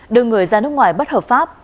đưa người ra nước ngoài bất hợp pháp